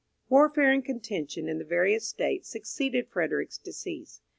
Warfare and contention in the various states succeeded Frederick's decease.